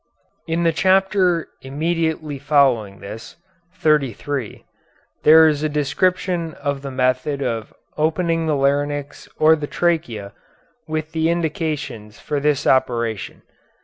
In the chapter immediately following this, XXXIII, there is a description of the method of opening the larynx or the trachea, with the indications for this operation.